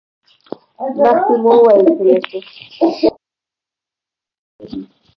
مخکې مو وویل چې له سل میلیونو پانګې وېش څنګه دی